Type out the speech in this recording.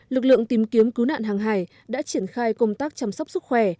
lực lượng tìm kiếm cứu nạn hàng hải đã triển khai công tác chăm sóc sức khỏe